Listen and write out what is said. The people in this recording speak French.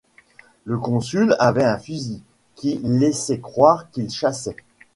Le Consul avait un fusil, qui laissait croire qu'il chassait.